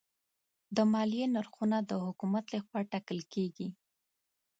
د مالیې نرخونه د حکومت لخوا ټاکل کېږي.